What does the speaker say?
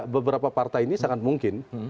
beberapa partai ini sangat mungkin